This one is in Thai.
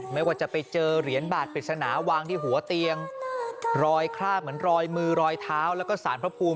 เขาอย่างกลายเข้ามาในบ้านมหาเด็กที่ไม่นอน